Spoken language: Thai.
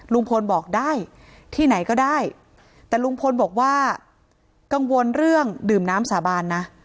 ลุงพลบอกได้ที่ไหนก็ได้แต่ลุงพลบอกว่ากังวลเรื่องดื่มน้ำสาบานนะ